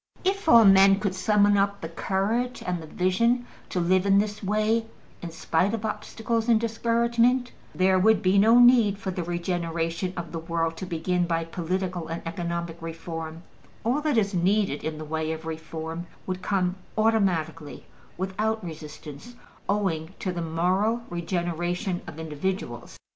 If all men could summon up the courage and the vision to live in this way in spite of obstacles and discouragement, there would be no need for the regeneration of the world to begin by political and economic reform: all that is needed in the way of reform would come automatically, without resistance, owing to the moral regeneration of individuals.